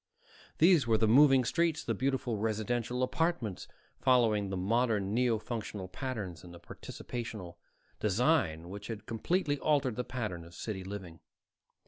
These were the moving streets, the beautiful residential apartments, following the modern neo functional patterns and participational design which had completely altered the pattern of city living.